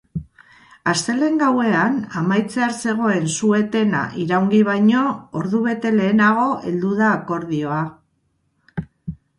Astelehen gauean amaitzear zegoen su etena iraungi baino ordubete lehenago heldu da akordioa.